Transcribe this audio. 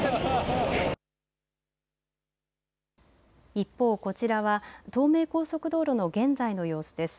一方こちらは東名高速道路の現在の様子です。